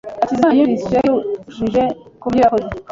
Hakizimana yumvise yicujije kubyo yakoze.